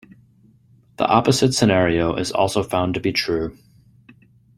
The opposite scenario is also found to be true.